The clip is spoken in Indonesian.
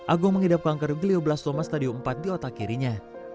agung mengidap kanker glioblastoma stadio empat di otak kirinya